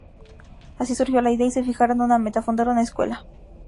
Así surgió la idea y se fijaron una meta: fundar una escuela.